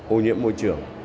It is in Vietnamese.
ô nhiễm môi trường